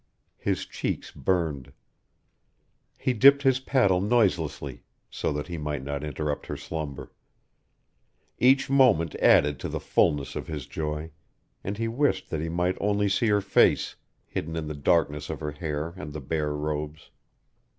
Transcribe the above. His cheeks burned. He dipped his paddle noiselessly, so that he might not interrupt her slumber. Each moment added to the fullness of his joy, and he wished that he might only see her face, hidden in the darkness of her hair and the bear robes.